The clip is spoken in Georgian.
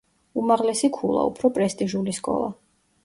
უმაღლესი ქულა, უფრო პრესტიჟული სკოლა.